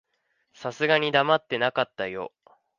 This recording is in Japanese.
さすがに黙ってなかったよ。